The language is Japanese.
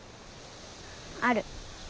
ある。